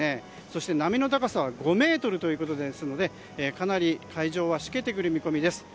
そして波の高さは５ｍということですのでかなり海上はしけてくる見込みです。